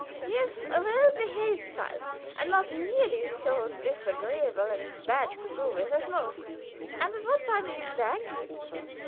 "He is a well behaved child, and not nearly so disagreeable and bad to do with as most. And at what time will you be back?"